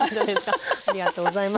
ありがとうございます。